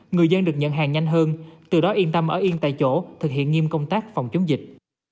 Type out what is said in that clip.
người dân được nhận hàng nhanh hơn từ đó yên tâm ở yên tại chỗ thực hiện nghiêm công tác phòng chống dịch